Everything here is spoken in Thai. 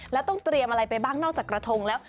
แล้วต้องเตรียมอะไรไปบ้างนอกจากกระทงแล้ว